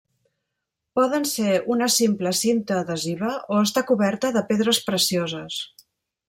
Poden ser una simple cinta adhesiva o estar coberta de pedres precioses.